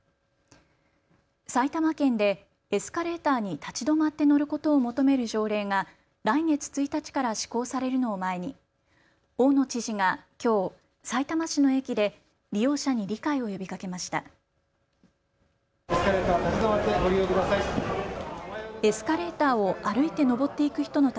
埼玉県で、エスカレーターに立ち止まって乗ることを求める条例が来月１日から施行されるのを前に大野知事がきょう、さいたま市の駅で利用者に理解を呼びかけました。